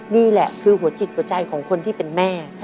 นี่แหละคือหัวจิตหัวใจของคนที่เป็นแม่